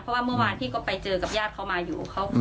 เพราะว่าเมื่อวานที่ก็ไปเจอกับญาติเขามาอยู่